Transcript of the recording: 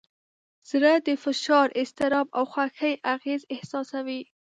زړه د فشار، اضطراب، او خوښۍ اغېز احساسوي.